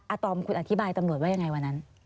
ตอมคุณอธิบายตำรวจว่ายังไงวันนั้น